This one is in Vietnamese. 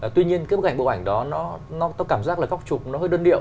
tuy nhiên cái bức ảnh bộ ảnh đó tôi cảm giác là góc trục nó hơi đơn điệu